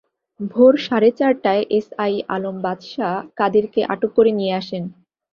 ভোর সাড়ে চারটায় এসআই আলম বাদশা কাদেরকে আটক করে নিয়ে আসেন।